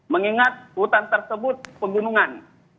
mengingat hutan tersebut pegunungan